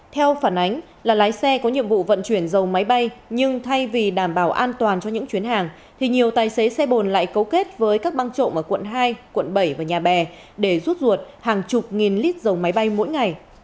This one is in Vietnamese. theo phản ánh là lái xe có nhiệm vụ vận chuyển dầu máy bay nhưng thay vì đảm bảo an toàn cho những chuyến hàng thì nhiều tài xế xe bồn lại cấu kết với các băng trộm ở quận hai quận bảy và nhà bè để rút ruột hàng chục nghìn lít dầu máy bay mỗi ngày